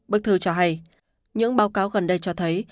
bức thư cho hay những báo cáo gần đây cho thấy